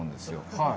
はい。